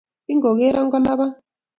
Kingogero kolabat